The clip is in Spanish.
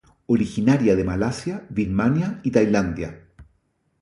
Originaria de Malasia, Birmania y Tailandia.